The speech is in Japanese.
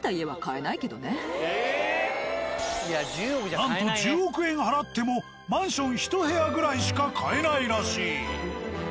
なんと１０億円払ってもマンション１部屋ぐらいしか買えないらしい。